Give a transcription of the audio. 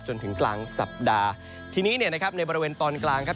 จนถึงกลางสัปดาห์ทีนี้เนี่ยนะครับในบริเวณตอนกลางครับ